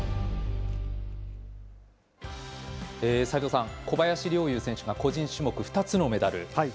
齋藤さん、小林陵侑選手が個人種目、２つのメダル。